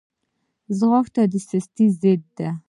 ځغاسته د سستۍ ضد ده